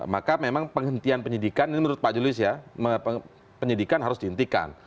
maka memang penghentian penyidikan ini menurut pak julius ya penyidikan harus dihentikan